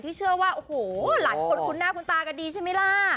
ที่เชื่อว่าหลักคนคุ้นหน้าคุณตาก็ดีใช่มั้ยล่ะ